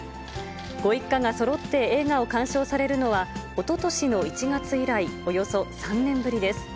ご一家がそろって映画を鑑賞されるのは、おととしの１月以来、およそ３年ぶりです。